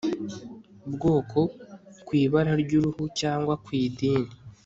bwoko ku ibara ry uruhu cyangwa ku idini